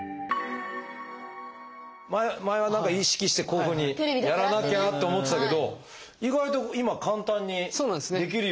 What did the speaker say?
前は何か意識してこういうふうにやらなきゃって思ってたけど意外と今簡単にできるようになってますね。